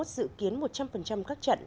dự kiến một trăm linh các trận